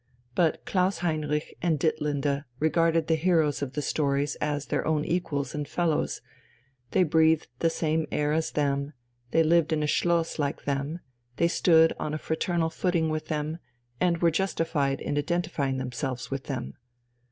But Klaus Heinrich and Ditlinde regarded the heroes of the stories as their own equals and fellows, they breathed the same air as them, they lived in a schloss like them, they stood on a fraternal footing with them, and were justified in identifying themselves with them.